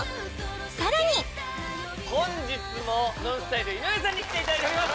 さらに本日もＮＯＮＳＴＹＬＥ井上さんに来ていただいております